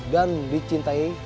dan dicintai oleh rakyatnya